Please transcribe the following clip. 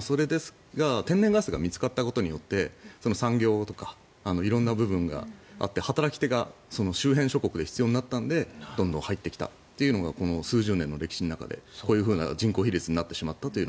それが天然ガスが見つかったことによって産業とか色んな部分があって働き手が周辺諸国で必要になったのでどんどん入ってきたというのがこの数十年の歴史の中でこういう人口比率になってしまったという。